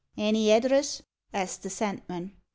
"Any address?" asked the Sandman.